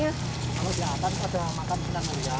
kalau di atas ada mata mesinan muda